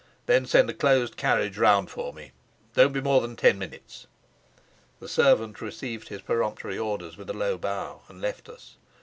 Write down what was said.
Then send a closed carriage round for me. Don't be more than ten minutes." The servant received his peremptory orders with a low bow, and left us.